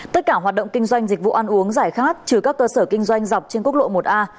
tất cả hoạt động kinh doanh dịch vụ ăn uống giải khát trừ các cơ sở kinh doanh dọc trên quốc lộ một a